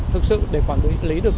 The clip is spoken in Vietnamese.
thực sự để quản lý được